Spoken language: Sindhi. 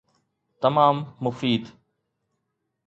تمام مفيد.